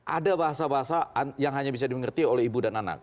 ada bahasa bahasa yang hanya bisa dimengerti oleh ibu dan anak